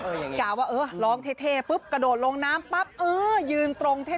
ล่าให้ฟังก่อนกล่าว่าเออร้องเท่ปุ๊บกระโดดลงน้ำปั๊บเออยืนตรงเท่